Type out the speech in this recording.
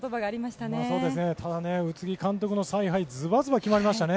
ただ宇津木監督の采配はずばずば決まりましたね。